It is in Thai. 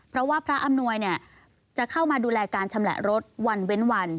เพราะว่าพระอำนวยจะเข้ามาดูแลการชำแหละรถวันเว้นวัน